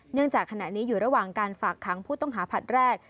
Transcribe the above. จากขณะนี้อยู่ระหว่างการฝากค้างผู้ต้องหาผลัดแรก